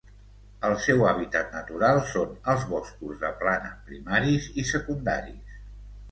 El seu hàbitat natural són els boscos de plana primaris i secundaris.